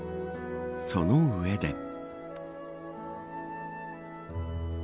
その上で。